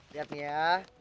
lihat nih ya